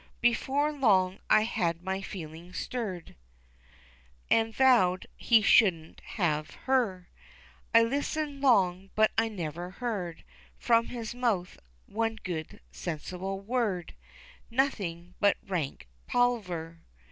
Before long I had my feelings stirred, And vowed he should'nt have her. I listened long, but I never heard From his mouth one good sensible word, Nothin' but rank palaver.